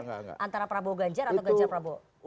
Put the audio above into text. antara prabowo ganjar atau ganjar prabowo